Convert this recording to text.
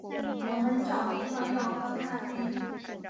我们找地方要喝咖啡